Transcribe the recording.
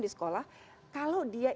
di sekolah kalau dia